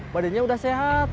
badannya udah sehat